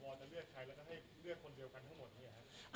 พอจะเลือกใครแล้วก็ให้เลือกคนเดียวกันทั้งหมดเนี่ยครับ